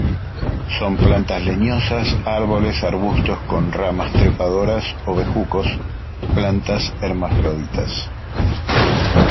Son plantas leñosas, árboles, arbustos con ramas trepadoras o bejucos; plantas hermafroditas.